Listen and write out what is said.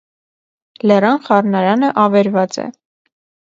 Լեռան խառնարանը ավերված է։